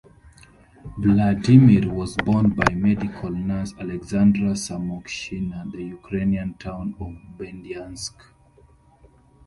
Vladimir was born by medical nurse Alexandra Samoshkina the Ukrainian town of Berdyansk.